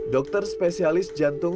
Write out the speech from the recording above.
dokter spesialis jantung